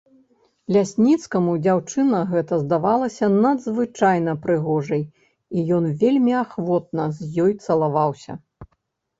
Лясніцкаму дзяўчына гэта здалася надзвычайна прыгожай, і ён вельмі ахвотна з ёй цалаваўся.